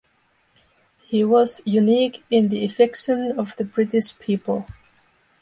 He was 'unique in the affection of the British people'.